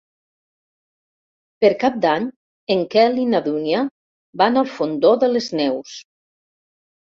Per Cap d'Any en Quel i na Dúnia van al Fondó de les Neus.